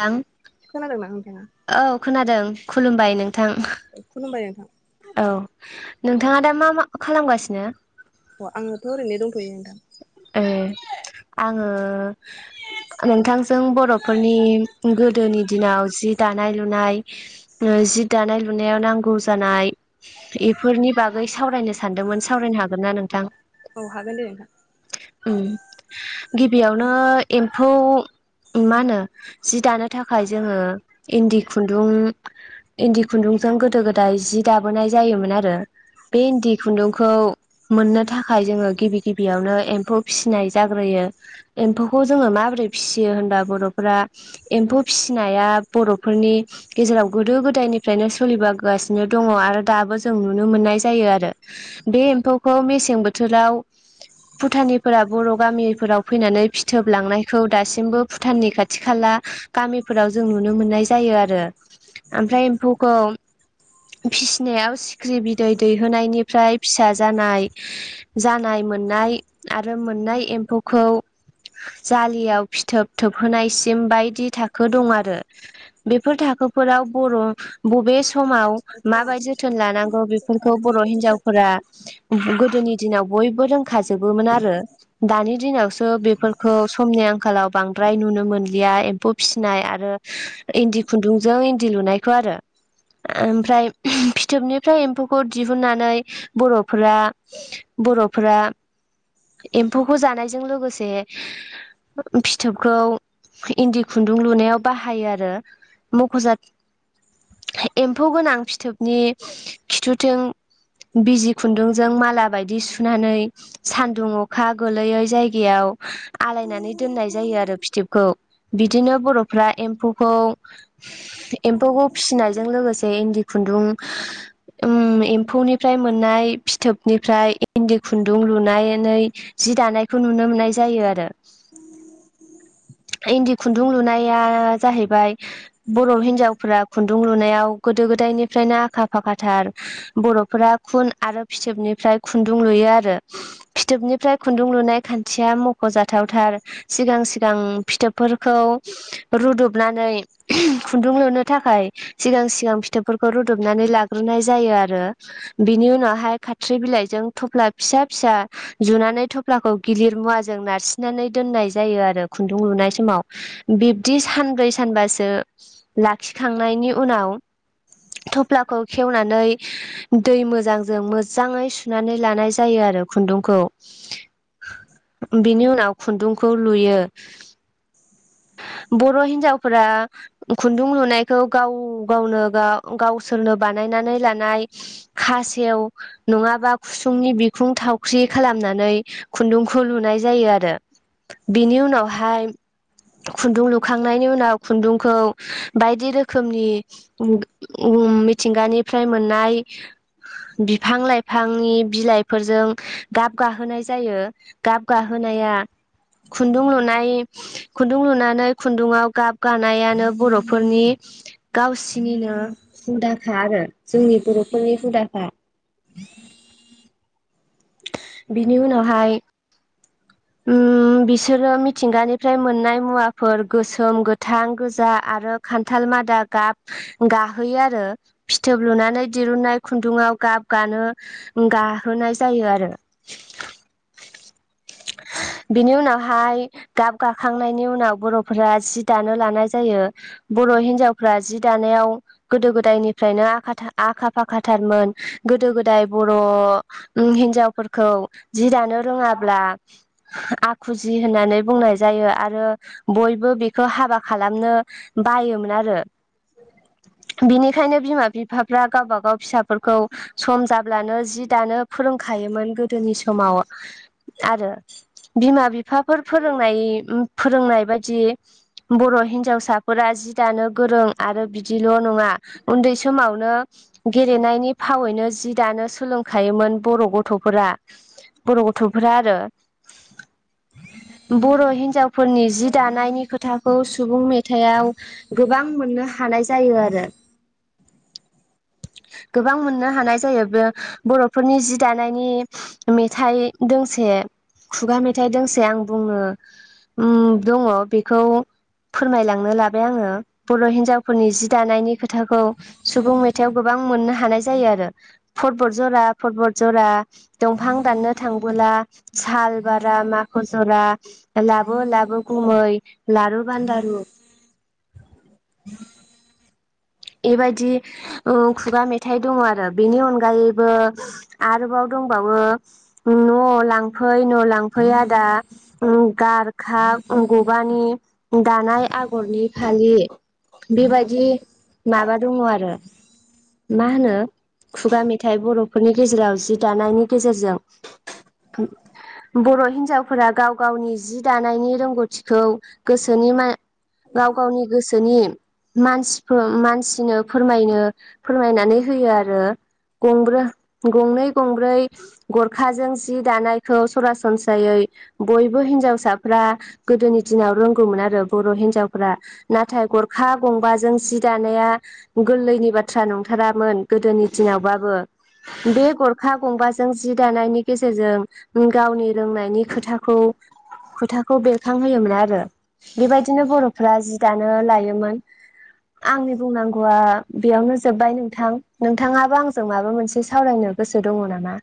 आं खोनादों ना नोंथाङा? औ खोनादों खुलुमबाय नोंथां। खुलुमबाय नोंथां। औ नोंथाङा दा मा मा खालामगासिनो? अ आंथ' ओरैनो दंथ'यो नोंथां। ए आङो नोंथांजों बर'फोरनि गोदोनि दिनाव जि दानाय लुनाय जि दानाय लुनायाव नांगौ जानाय एफोरनि बागै सावरायनो सानदोंमोन सावरायनो हागोन ना नोंथां? औ हागोन दे नोंथां। उम गिबियावनो एम्फौ मा होनो जि दानो थाखाय जोङो इन्दि खुन्दुं इन्दि खुन्दुंजों गोदो गोदाय जि दाबोनाय जायोमोन आरो। बे इन्दि खुन्दुंखौ मोननो थाखाय जोङो गिबि गिबियावनो एम्फौ फिसिनाय जाग्रोयो। एम्फौखौ जोङो माबोरै फिसियो होनबा बर'फोरा एम्फौ फिसिनाया बर'फोरनि गेजेराव गोदो गोदायनिफ्रायनो सोलिबोगासिनो दङ आरो दाबो जों नुनो मोननाय जायो आरो बे एम्फौखौ मेसें बोथोराव भुटानिफोरा बर' गामिफोराव फैनानै फिथोब लांनायखौ दासिमबो भुटाननि खाथि खाला गामिफोराव जों नुनो मोननाय जायो आरो आमफ्राय एम्फौखौ फिसिनायाव सिख्रि बिदै दैहोनायनिफ्राय फिसा जानाय जानाय मोननाय आरो मोननाय एम्फौखौ जालियाव फिथोब थोबहोनायसिम बायदि थाखो दं आरो। बेफोर थाखोफोराव बर' बबे समाव माबायदि जोथोन लानांगौ बेफोरखौ बर' हिनजावफोरा गोदोनि दिनाव बयबो रोंखाजोबोमोन आरो। दानि दिनावसो बेफोरखौ समनि आंखालाव बांद्राय नुनो मोनलिया एम्फौ फिनाय आरो इन्दि खुन्दुंजों इन्दि लुनायखौ आरो आमफ्राय फ्राय फिथोबनिफ्राय एम्फौखौ दिहुननानै बर'फोरा बर'फोरा एम्फौखौ जानायजों लोगोसे फिथोबखौ इन्दि खुन्दुं लुनायाव बाहायो आरो। मख'जाथ एम्फौ गोनां फिथोबनि खिथुथिं बिजि खुन्दुंजों माला बायदि सुनानै सान्दुं अखा गोलैयै जायगायाव आलायनानै दोननाय जायो आरो फिथोबखौ। बिदिनो बर'फ्रा एम्फौखौ एम्फौखौ फिसिनायजों लोगोसे इन्दि खुन्दुं उम एम्फौनिफ्राय मोननाय फिथोबनिफ्राय इन्दि खुन्दुं लुनायनै जि दानायखौ नुनो मोननाय जायो आरो। [inaudible] इन्दि खुन्दुं लुनाया जाहैबाय बर' हिनजावफ्रा खुन्दुं लुनायाव गोदो गोदायनिफ्रायनो आखा फाखाथार बर'फोरा खुन आरो फिथोबनिफ्राय खुन्दुं लुयो आरो फिथोबनिफ्राय खुन्दुं लुनाय खान्थिया मख'जाथावथार। सिगां सिगां फिथोबफोरखौ रुदबनानै खुन्दुं लुनो थाखाय सिगां सिगां फि थोबफोरखौ रुदबनानै लाग्रोनाय जायो आरो। बिनि उनावहाय खाथ्रि बिलाइजों थफ्ला फिसा फिसा जुनानै थफ्लाखौ गिलिर मुवाजों नारसिननानै दोननाय जायो आरो खुन्दुं लुनाय समाव। बिब्दि सानब्रै सानबासो लाखिखांनायनि उनाव थफ्लाखौ खेवनानै दै मोजांजों मोजाङै सुनानै लानाय जायो आरो खुन्दुंखौ बिनि उनाव खुन्दुंखौ लुयो। बर' हिन्जावफोरा खुन्दुं लुनायखौ गाव गावनो गाव गावसोरनो बानायनानै लानाय खासेव नङाबा खुसुंनि बिखुं थावख्रि खालामनानै खुन्दुंखौ लुनाय जायो आरो बिनि उनावहाय खुन्दुं लुखांनायनि उनाव खुन्दुंखौ बायदि रोखोमनि मिथिंगानिफ्राय मोननाय बिफां लाइफांनि बिलाइफोरजों गाब गाहोनाय जायो। गाब गाहोनाया खुन्दुं लुनाय खुन्दुं लुनानै खुन्दुङाव गाब गानायानो बर'फोरनि गावसिनिनो हुदाखा आरो जोंनि बर'फोरनि हुदाखा। बिनि उनावहाय उम बिसोरो मिथिंगानिफ्राय मोननाय मुवाफोर गोसोम गोथां गोजा आरो खान्थाल मादा गाब गाहोयो आरो फिथोब लुनानै दिरुननाय खुन्दुङाव गाब गानो गाहोनाय जायो आरो। बिनि उनावहाय गाब गाखांनायनि उनाव बर'फोरा जि दानो लानाय जायो। बर' हिन्जावफ्रा जि दानायाव गोदो गोदायनिफ्रायनो आखा आखा फाखाथारमोन गोदो गोदाय बर' हिनजावफोरखौ जि दानो रोङाब्ला आखुजि होननानै बुंनाय जायो आरो। बयबो बेखौ हाबा खालामनो बायोमोन आरो। बिनिखायनो बिमा बिफाफ्रा गावबा गाव फिसाफोरखौ सम जाब्लानो जि दानो फोरोंखायोमोन गोदोनि समाव आरो बिमा बिफाफोर फोरोंनाय फोरोंनाय बायदि बर' हिन्जावसाफोरा जि दानो गोरों आरो बिदिल' नङा। उन्दै समावनो गेलेनायनि फावैनो जि दानो सोलोंखायोमोन बर' गथ'फोरा बर' गथ' फोर आरो। बर' हिनजावफोरनि जि दानायनि खोथाखौ सुबुं मेथायाव गोबां मोननो हानाय जायो आरो। गोबां मोननो हानाय जायो बे बर'फोरनि जि दानायनि मेथाइ दोंसे खुगा मेथाइ दोंसे आं बुङो दङ बेखौ फोरमायलांनो लाबाय आङो बर' हिनजावफोरनि जि दानायनि खोथाखौ सुबुं मेथाइाव गोबां मोननो हानाय जायो आरो। फटबट जरा फटब जरा दंफां दाननो थांबोला साल बारा माख जरा लाबो लाबो खुमै लारु बान्दारु बेबायदि खुगा मेथाइ दङ आरो बेनि अनगायैबो आरोबाव दंबावो न' लांफै न' लांफै आदा गार खा गबानि दानाय आगरनि फालि बेबादि माबा दङ आरो मा होनो खुगा मेथाइ बर'फोरनि गेजेराव जि दानायनि गेजेरजों [unintelligible] बर' हिन्जावफोरा गाव गावनि जि दानायनि रोंगौथिखौ गोसोनि मा गाव गावनि गोसोनि मानसि मानसिनो फोरमायनो फोरमायनानै होयो आरो गंब्रै गंनै गंब्रै गरखाजों जि दानायखौ सरासनस्रायै बयबो हिनजावसाफ्रा गोदोनि दिनाव रोंगौमोन आरो बर' हिनजावफ्रा नाथाय गरखा गंबाजों सि दानाया गोरलैनि बाथ्रा नंथारामोन गोदोनि दिनावबाबो बे गरखा गंबाजों जि दानायनि गेजेरजों गावनि रोंनायनि खोथाखौ खोथाखौ बे खांहोयोमोन आरो बेबायदिनो बर'फ्रा जि दानो लायोमोन आंनि बुंनांगौआ बेयावनो जोब्बाय नोंथां नोंथाङाबो आंजों माबा मोनसे सावरायनो गोसो दङ नामा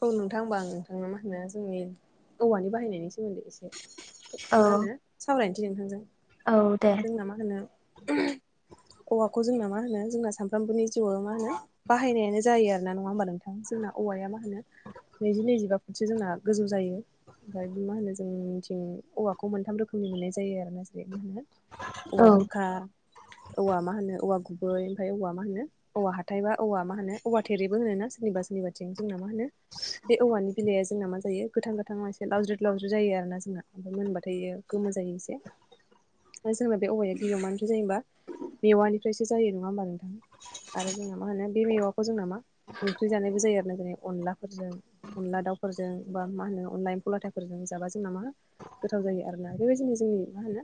औ नोंथां होनबा आं नोंथांनो मा होनो जोंनि औवानि बाहायनायनि सोमोन्दै एसे औ मा होनो सावरायनोसै नोंथांजों औ दे जों मा होनो औवाखौ जोंना मा होनो जोंना सामफ्रामबोनि जिउआव मा होनो बाहायनायानो जायो आरो ना नङा होमबा नोंथां जोंना औवाया मा होनो नैजि नैजिबा फुटसो जोंना गोजौ जायो ओमफ्राय मा होनो जों नि थिं औवाखौ मोनथाम रोखोमनि मोननाय जायो आरो ना जेरै मा होनो औवा औ बुरखा औवा मा होनो औवा गुबै ओमफ्राय औवा मा होनो औवा हाथाय बा औवा मा होनो औवा थेरेबो होनो ना सोरनिबा सोरनिबाथिं जोंना मा होनो [unintelligible] बे औवानि बिलाइया जोंना मा जायो गोथां गोथाङाव एसे लावज्रि लावज्रि जायो आरो ना जोंना ओमफ्राय मोनबाथाय गोमो जायो एसे [inaudible] जोंना बे औवाया गिबियाव मानिफ्राय जायो होनबा मेवानिफ्रायसो जायो नङा होमबा नोंथां आरो जोंना मा होनो बे मेवाखौ जोंना मा ओंख्रि जानायबो जायो आरो ना जेरै अनला फोरजों अनला दाउफोरजों बा मा होनो अनला एम्फौ लाथाफोरजों जाबा जोंना मा गोथाव जायो आरोना बेबायदिनो जोंनि मा होनो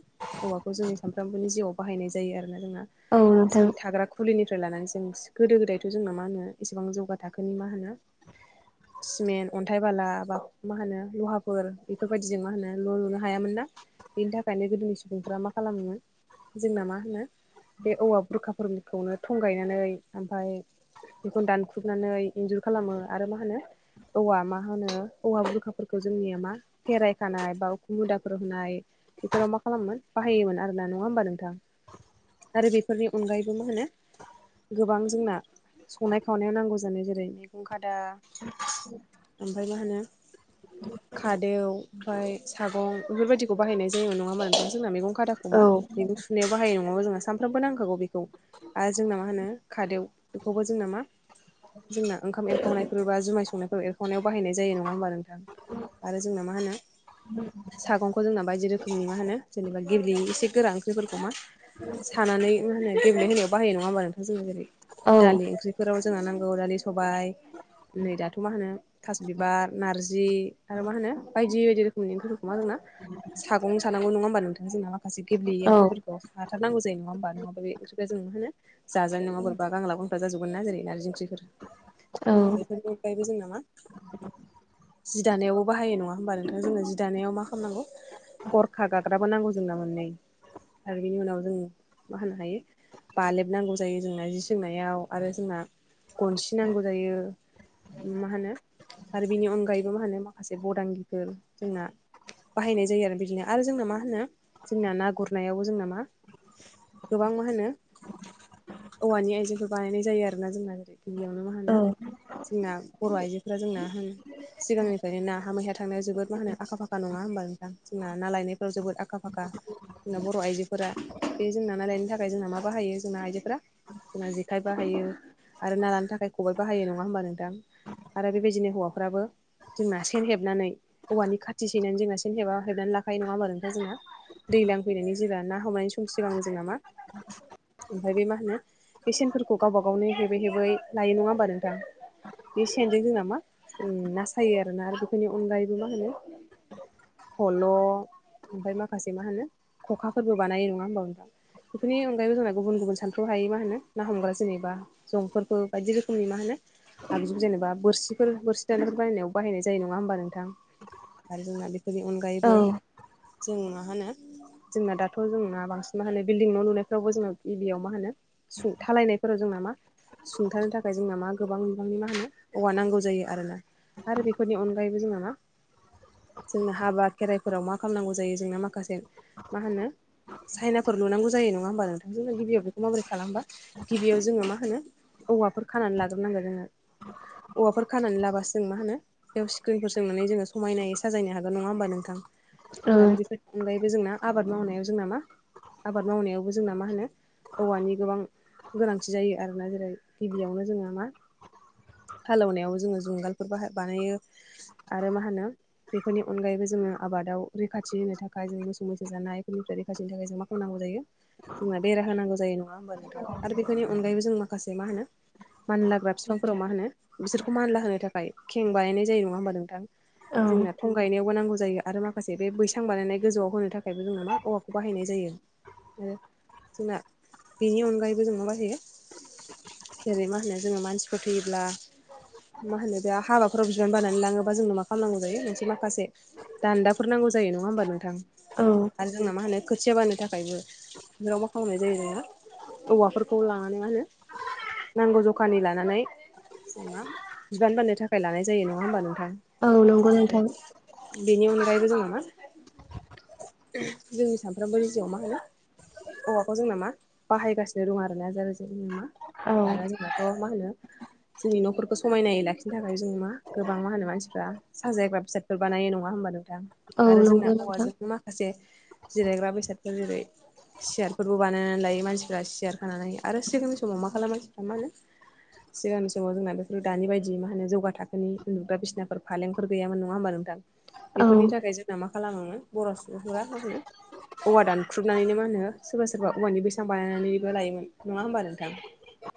औवाखौ जोंनि सानफ्रामबोनि जिउआव बाहायनाय जायो आरोना जोंना औ नोंथां जोंनि थाग्राखु फुलिनिफ्राय लानानै जों गोदो गोदायथ' जोंना मा होनो इसेबां जौगा थाखोनि मा होनो सिमेन्ट अन्थाइ बाला बा मा होनो लहाफोर बेफोरबायदिजों मा होनो न' लुनो हायामोन ना बेनि थाखायनो गोदोनि सुबुंफ्रा मा खालामोन जोंना मा होनो बे औवा बुरखाफोरनि खौनो थं गायनानै ओमफ्राय बेखौनो दानख्रुबनानै इन्जुर खालामो आरो मा होनो औवा मा होनो औवा बुरखाफोरखौ जोंनिया मा फेरायखानाय बा उख मुदाफोर होनाय बेफोराव मा खालामोन बाहायोमोन आर ना नङा होमबा नोंथां आरो बेफोरनि अनगायैबो मा होनो गोबां जोंना संनाय खावनायाव नांगौ जानाय जेरै मैगं खादा ओमफ्राय मा होनो खादौ ओमफ्राय सागं बेफोरबायदिखौ बाहायनाय जायो नङामोन ओमफ्राय जोंना मैगं खादाखौ औ मा मैगं होनायाव बाहाय नङाबा जोंहा सानफ्रामबो नांखागौ बेखौ आरो जोंना मा होनो खादेव बेखौबो जोंना मा जोंना ओंखाम एरखावनायफोर बा जुमाय संनायफोर एरखावनायाव बाहायनाय जायो नङा होमबा नोंथां आरो जोंना मा होनो सागंखौ जोंना बायदि रोखोमनि मा होनो जेनेबा गेब्लेयै एसे गोरा ओंख्रिफोरखौ मा सानानै मा होनो गेब्ले होनायाव बाहायो नङा होमबा नोंथां जोङो जेरै औ दालि ओंख्रिफोराव जोंहा नांगौ दालि सबाय नै दाथ' खौ मा होनो थास बिबार नारजि आरो मा होनो बायदि बायदि रोखोमनि ओंख्रैफोरखौ मा जोंना सागंनो सानांग नङ होमबा नोंथां जों माखासे गेब्लेयै औ ओंख्रिफोर हाथारनांगौ जायो नङा हमबा नङाबा बे ओंख्रिखौ जों मा होनो जाजानाय नङा बोरबा गांला गंफ्रा जाजोबगोन ना जेरै नारजि औ ओंख्रिफोरफोरखौ बयबो जायो नामा? जि दानायावबो बाहायो नङा होमबा नोंथाङा जोङो जि दानायाव मा खालामनांगौ। गरखा गाग्राबो नांगौ जोंना मोननै आरो बिनि उनाव जों मा होनो हायो। बालेब नांगौ जायो जोंना जि सोंनायाव आरो जोंना गनसि नांगौ जायो। मा होनो आरो बिनि अनगायैबो मा होनो माखासे बदांगिफोर जोंना बाहायनाय जायो आरो बिदिनो आरो जोंना मा होनो जोंना ना गुरनायावबो जोंना मा गोबां मा होनो औवानि आइजेंफोर बानायनाय जायो आरोोना जोंना जेरै गिबियावनो मा होनो [unintelligible] जोंना बर' आइजोफ्रा जोंना होनो सिगांनिफ्राय ना मैहाया थांनायाव जोबोद मा होनो आखा फाखा नङा होमबा नोंथां जोंना ना लायनायफ्राव जोबोद आखा फाखा जोंना बर' आइजोफोरा बे जोंना ना लायनो थाखाय जोंना मा बाहायो जोंना आइजोफोरा जोंना जेखाइ बाहायो आरो ना लानो थाखाय खबाइ बाहायो नङा होमबा नों दां आरो बेबायदिनो हौवाफ्राबो जोंना सेन हेबनानै औवानि खाथि सैनानै जोंना सेन हेबा हेबनानै लाखायो नङा होमबा नोंथां जोंङो। दै लां फैनायनि जेगब्ला ना हमनायनि सम सिगां जे नामा ओमफ्राय बे मा होनो पेसेन्फोरखौ गावबा गावनो हेबै हेबै लायो नङा होमबा नोंथां। बे सेनजों जोंना मा नासायो आरोना आरो बेफोरनि अनगायैबो मा होनो फल' ओमफफ्राय माखासे मा होनो खखाफोरबो बानायो नङा होनबा नोंथां। बेफोरनि अनगायैबो जोंना गुबुन गुबुन सानफ्रुआव हायो मा होनो ना हमग्रा जेनेबा जंफोरखौ बायदि रोखोमनि मा होनो आगजु जेनबा बोरसिफोर बोरसि दानायफोर बायनायाव बाहायनाय जायो नङा होमबा नोंथां आरो जोंना बेफोरनि अनगायैबो औ जों मा होनो जोंना दाथ' जोंना बांसिन मा होनो बिल्डिं न' लुनायफ्रावबो जों गिबियाव मा होनो सुंथालायनायफोराव जोंना मा सुंथानो थाखाय जोंना मा गोबां नोंनि मा होनो औवा नांगौ जायो आर ना आरो बेफोरनि अनगायैबो जोंना मा जोंनो हाबा खेराइफोराव मा खालामनांगौ जायो जोंनो माखासे मा होनो साइनाफोर लुुनांगौ जायो नङा होमबा नोंथांजोंनो गिबियाव बेखौ माबोरै खालामबा गिबियाव जोङो मा होनो औवाफोर खानानै लाद्रनांगोन जोङो औवाफोर खानानै लाबासो जों मा होनो बेयाव स्क्रिनफोर सोंनानै जोङो समायनायै साजायनो हागोन नङा होमबा नोंथां औ आरो बेफोर अनगायैबो जोंना आबाद मावनायाव जोंना मा आबाद मावनायावबो जोंना मा होनो औवानि गोबां गोनांथि जायो आरोना जेरै गिबियावनो जोंङहा मा हालेवनायाव जोङो जुंगालफोर बाह बानायो आरो मा होनो बेफोरनि अनगायैबो जोङो आबादाव रैखाथि होनो थाखाय जेरै मोसौ मैसाो जानायफोरनि रैखाथिनि थाखाय जों म होनांगौ जायो जोंना बेरा होनांगौ जायो नङा होमबा नोंथां आरो बेफोरनि अनगायैबो जों माखासे मा होनो मानलाग्रा बिफांफोराव मा होनो बिसोरखौ मानला होनो थाखाय खें बानायनाय जायो नङा होमबा नोंथां जोंनाथ' फं गायनायावबो नांगौ जायो आरो माखासे बे बैसां बानायनाय गोजौआव होनो थाखायबो जोों मा औवाखौ बाहायनाय जायो आरो जोंना बेनि अनगायैबो जों माबााहैयो जेरै मा होनो जोङो मानसिफोर थैयोब्ला मा होनो बे हाबाफोराव बिबान बनानै लाङोबा जोंनो मा खालामनांगौ जायो मोनसे माखासे दान्दाफोर नांगौ जायो नङा होमबा नोंथां। औ आरो जोंना मा होनो खोथिया बानो थाखायबो बे राव मा खालामनाय जायो जोंङो औवाफोरखौ लानानै मा होनो नांगौ जखानि लानानै जों बिबान बाननो थाखाय लानाय जायो नङा हबा नोंथां। औ नंगौ नोंथां बेनि अनगायैबो जों जोंनि सानफ्रोमबोनि जिउ आव मा होनो औवाखौ जोंना मा बाहायगासिनो दं आरोना जेर जेर मा औ दाना जोंनाथ' मा होनो जोंनि न'फोरखौ समायनायै लाखिनो थाखाय जों मा गोबां मा होनो मानसिफ्रा साजायग्रा बिसाद बानायो नङा होनोमबा नोंथां औ आरो नंगौ जोंना नोंथां औवाजोंनो मा माखासे जिरायग्रा बेसादफोर जेरै सियारफोरबो बानायनानै लायो मानसिफ्रा सियार खानानै होायो आरो सिगांनि समाव मा खालामो मानसिफ्रा मा होनो सिगांनि समाव जोंना बेफोर दानि बायदि मा होनो जौगा थाखोनि उन्दुग्रा बिसिनाफोर फालेंफोर गैयामोन नङा होमबा नोंथां। औ बेफोरनि थाखाय जोंना मा खालामो बर' सुबुंफोरा मा होनो औवा दानख्रुबनानैनो मा होनो सोरबा सोरबा औवानि बेसेबां बानायनानैबो लायोमोन नङा होमबा नोंथां